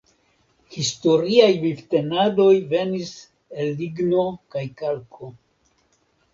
Historiaj vivtenadoj venis el ligno kaj kalko.